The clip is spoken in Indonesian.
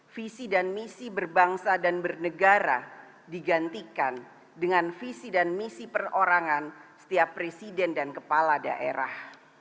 visi dan misi berbangsa dan bernegara digantikan dengan visi dan misi perorangan setiap presiden dan kepala daerah